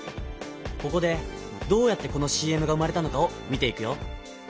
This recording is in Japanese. ここでどうやってこのＣＭが生まれたのかを見ていくよ。